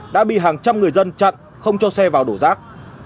đã bị hàng trăm người dân chặn không cho xe vào đổ rác